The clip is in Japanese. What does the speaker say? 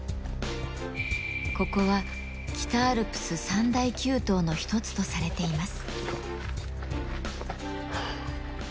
ここは北アルプス三大急登の一つとされています。